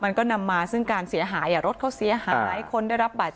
มันก็นำมาซึ่งการเสียหายรถเขาเสียหายคนได้รับบาดเจ็บ